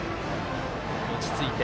落ち着いて。